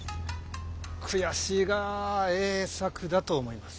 悔しいがええ策だと思います。